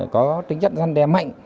có tính gian đe mạnh